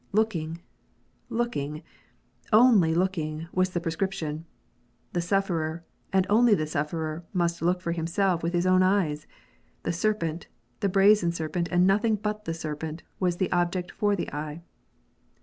Looking, looking, only looking, was the prescription. The sufferer, and only the sufferer, must look for himself with his own eyes. The serpent, the brazen serpent, and nothing but the serpent, was the object for the eye.